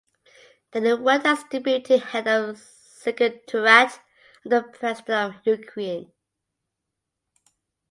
Then he worked as Deputy Head of the Secretariat of the President of Ukraine.